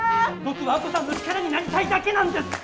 僕は亜子さんの力になりたいだけなんです！